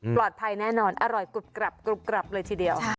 ปลอดภัยแน่นอนอร่อยกรุบกรับกรุบกรับเลยทีเดียวใช่